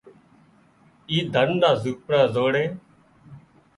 اي ڌنَ نا زونپڙا زوڙي